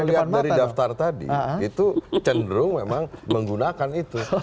kalau dilihat dari daftar tadi itu cenderung memang menggunakan itu